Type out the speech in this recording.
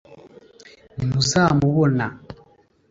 ntimuzamubona